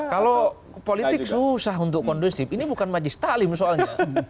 kalau politik susah untuk kondusif ini bukan majis talim soalnya